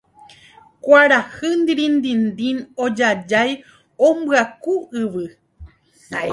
kuarahy ndirindindin ojajái ombyaku yvy